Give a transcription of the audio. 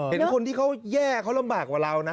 เห็นคนที่เขาแย่เขาลำบากกว่าเรานะ